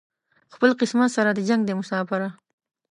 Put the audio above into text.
خپل قسمت سره دې جنګ دی مساپره